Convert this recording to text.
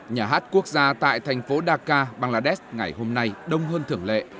nhà hát quốc gia tại thành phố dhaka bangladesh ngày hôm nay đông hơn thưởng lệ